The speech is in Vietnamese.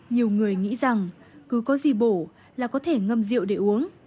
nhiều người nghĩ rằng cứ có gì bổ là có thể ngâm rượu để uống